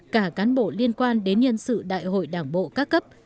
cả cán bộ liên quan đến nhân sự đại hội đảng bộ các cấp